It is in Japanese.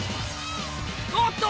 おっと！